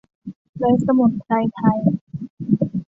และสมุนไพรไทย